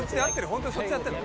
ホントにそっちで合ってるの？」